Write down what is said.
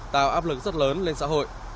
tạo áp lực rất lớn lên xã hội